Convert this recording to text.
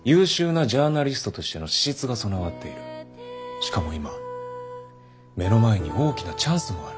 しかも今目の前に大きなチャンスもある。